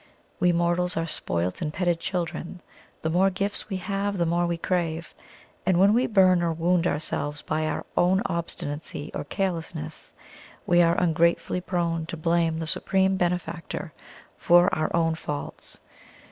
We mortals are spoilt and petted children the more gifts we have the more we crave; and when we burn or wound ourselves by our own obstinacy or carelessness, we are ungratefully prone to blame the Supreme Benefactor for our own faults.